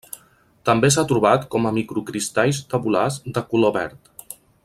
També s'ha trobat com a microcristalls tabulars de color verd.